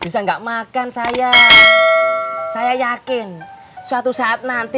saya yakin suatu saat nanti